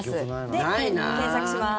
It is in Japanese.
で、検索します。